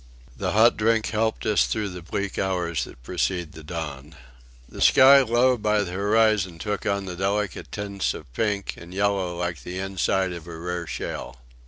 The hot drink helped us through the bleak hours that precede the dawn. The sky low by the horizon took on the delicate tints of pink and yellow like the inside of a rare shell.